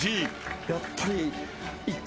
やっぱり。